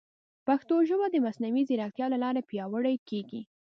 پښتو ژبه د مصنوعي ځیرکتیا له لارې پیاوړې کیږي.